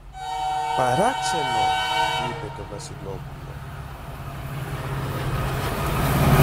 Παράξενο! είπε το Βασιλόπουλο.